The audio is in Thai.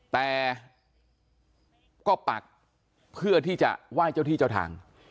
แต่ก็ปักเพื่อที่จะไหว้เจ้าที่เจ้าทาง